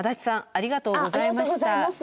ありがとうございます。